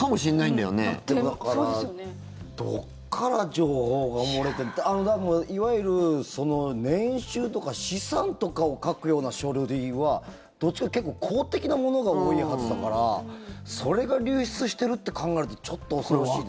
だからどっから情報が漏れていわゆる年収とか資産とかを書くような書類はどっちかというと結構公的なものが多いはずだからそれが流出してるって考えるとちょっと恐ろしいです。